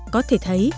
có thể thấy